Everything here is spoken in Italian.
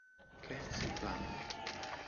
Kelsey Plum